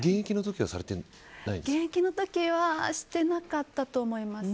現役の時はしてなかったと思います。